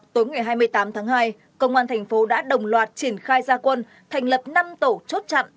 tối ngày hai mươi tám tháng hai công an thành phố đã đồng loạt triển khai gia quân thành lập năm tổ chốt chặn